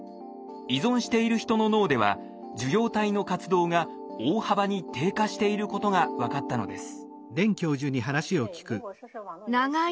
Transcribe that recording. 依存している人の脳では受容体の活動が大幅に低下していることが分かったのです。